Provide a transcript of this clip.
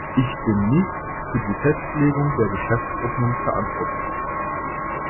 Ich bin nicht für die Festlegung der Geschäftsordnung verantwortlich.